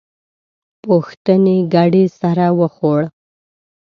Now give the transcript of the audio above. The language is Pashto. پوښتنې ګډې سر وخوړ.